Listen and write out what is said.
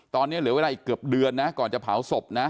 ตอนนี้เหลือเวลาอีกเกือบเดือนนะก่อนจะเผาศพนะ